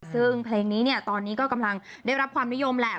ซึ่งเพลงนี้เนี่ยตอนนี้ก็กำลังได้รับความนิยมแหละ